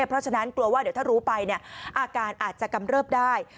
เพราะฉะนั้นกลัวว่าเดี๋ยวถ้ารู้ไปอาการอาจจะกำเริบได้